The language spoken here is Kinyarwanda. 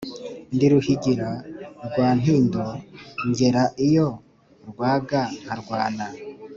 ndi Ruhigira rwa Ntindo ngera iyo rwaga nkarwana